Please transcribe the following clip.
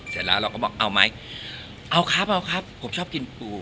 เสร็จแล้วเราก็บอกเอาไหมเอาครับเอาครับผมชอบกินปู